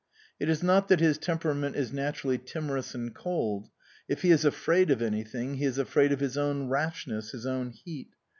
It is not that his tempera ment is naturally timorous and cold ; if he is afraid of anything, he is afraid of his own rashness, his own heat.